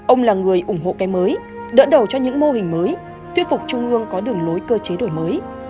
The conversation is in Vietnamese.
ông là người ủng hộ cái mới đỡ đầu cho những mô hình mới thuyết phục trung ương có đường lối cơ chế đổi mới